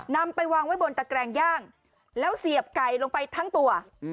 นำไปวางไว้บนตะแกรงย่างแล้วเสียบไก่ลงไปทั้งตัว